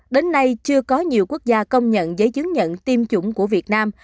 đến nay chưa có nhiều quốc gia công nhận giấy chứng nhận tiêm chủng của việt nam